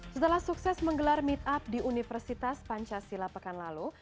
setelah sukses menggelar meet up di universitas pancasila pekan lalu